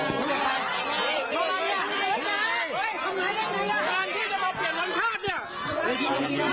คนที่จะมาเปลี่ยนวันชาติเนี่ย